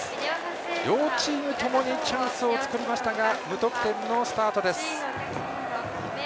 両チームともにチャンスを作りましたが無得点のスタートです。